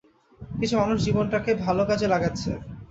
কিছু মানুষ জীবনটা কে ভালো কাজে লাগাচ্ছে।